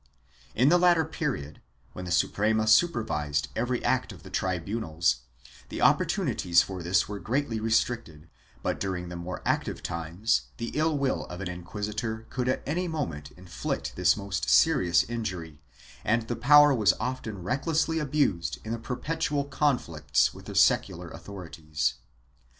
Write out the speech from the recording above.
In the later period, when the Suprema supervised every act of the tribunals, the opportunities for this were greatly restricted, but during the more active times the ill will of an inquisitor could at any mo ment inflict this most serious injury and the power was often recklessly abused in the perpetual conflicts with the secular authorities.